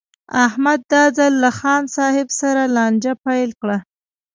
احمد دا ځل له خان صاحب سره لانجه پیل کړه.